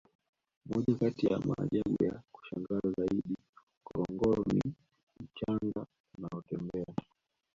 moja kati ya maajabu ya kushangaza zaidi ngorongoro ni mchanga unaotembea